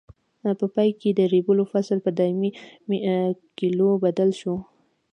په پای کې د ریبلو فصل په دایمي کلیو بدل شو.